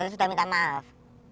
tapi sudah minta maaf